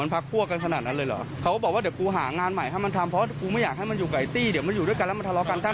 เพราะว่ากูไม่อยากให้มันอยู่กับไอ้ตี้เดี๋ยวมันอยู่ด้วยกันแล้วมาทะเลาะกัน